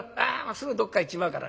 すぐどっか行っちまうから。